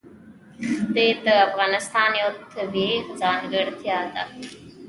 ښتې د افغانستان یوه طبیعي ځانګړتیا ده.